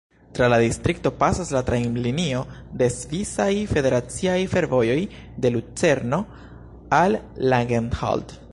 Tra la distrikto pasas la trajnlinio de Svisaj Federaciaj Fervojoj de Lucerno al Langenthal.